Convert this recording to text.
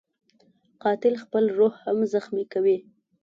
قاتل خپله روح هم زخمي کوي